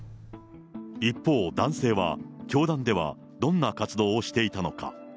一方、男性は教団ではどんな活動をしていたのか。